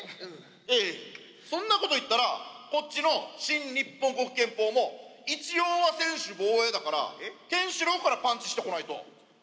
いやいや、そんなこと言ったら、こっちの新ニッポンコク拳法も一応は専守防衛だからケンシロウからパンチしてこないと。